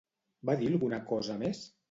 Va dir alguna cosa més?